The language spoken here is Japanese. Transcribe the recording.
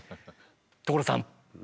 所さん！